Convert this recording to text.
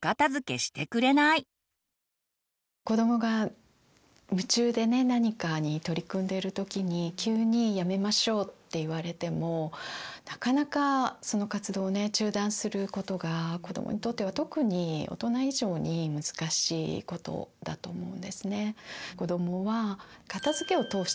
子どもが夢中で何かに取り組んでる時に急にやめましょうって言われてもなかなかその活動を中断することが子どもにとっては特に大人以上に難しいことだと思うんですね。